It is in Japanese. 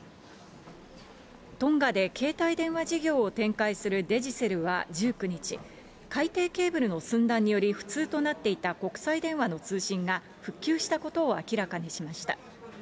トンガで携帯電話事業を展開するデジセルは１９日、海底ケーブルの寸断により不通となっていた国際電話の通信が、復旧したことを明らかにしました。